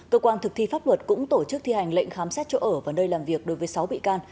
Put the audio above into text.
cơ quan thực thi pháp luật cũng tổ chức thi hành lệnh khám xét chỗ ở và nơi làm việc đối với sáu bị can